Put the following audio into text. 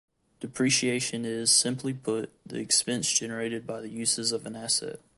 Depreciation is, simply put, the expense generated by the uses of an asset.